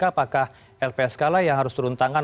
apakah lpsk lah yang harus turun tangan